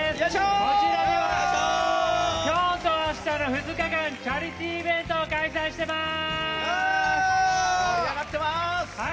こちらでは、きょうとあしたの２日間チャリティーイベントを開催してます！